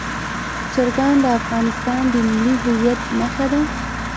چرګان د افغانستان د ملي هویت نښه ده.